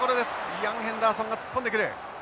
イアンヘンダーソンが突っ込んでくる。